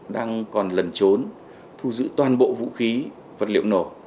đang còn lẩn trốn thu giữ toàn bộ vũ khí vật liệu nổ